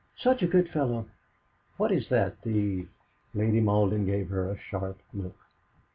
"Such a good fellow! What is that the ?" Lady Malden gave her a sharp look.